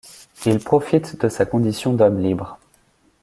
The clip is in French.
Il profite de sa condition d'homme libre.